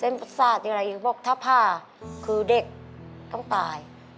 เส้นปศาจอะไรอีกบอกว่าถ้าผ่าคือเด็กต้องตาย